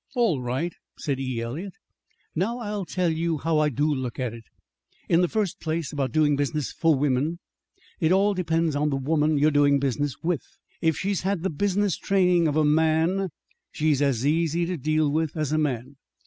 "All right," said E. Eliot. "Now I'll tell you how I do look at it. In the first place, about doing business for women. It all depends on the woman you're doing business with. If she's had the business training of a man, she's as easy to deal with as a man.